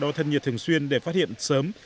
đói thân nhiệt thường xuyên để phát hiện sớm